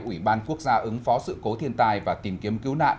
ủy ban quốc gia ứng phó sự cố thiên tai và tìm kiếm cứu nạn